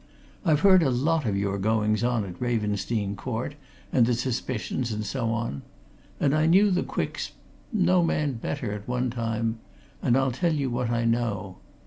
I've heard a lot of your goings on at Ravensdene Court, and the suspicions, and so on. And I knew the Quicks no man better, at one time, and I'll tell you what I know.